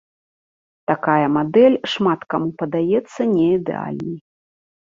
Такая мадэль шмат каму падаецца не ідэальнай.